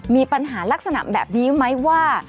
มีปัญหาลักษณะแบบนี้ไหมว่า